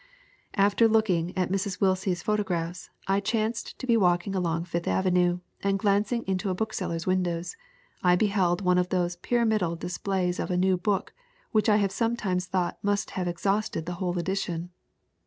"After looking at Mr. Willsie's photographs, I chanced to be walking along Fifth Avenue, and glanc ing into a bookseller's windows, I beheld one of those pyramidal displays of a new book which I have some times thought must have exhausted the whole edition.